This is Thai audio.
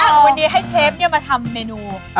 ตอนนี้ให้เชฟเนี่ยมาทำเมนู